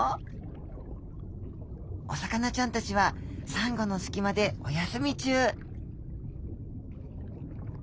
お魚ちゃんたちはサンゴの隙間でお休み中。